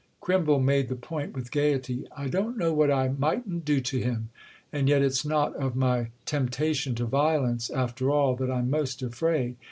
Crimble made the point with gaiety. "I don't know what I mightn't do to him—and yet it's not of my temptation to violence, after all, that I'm most afraid.